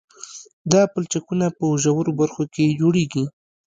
دا پلچکونه په ژورو برخو کې جوړیږي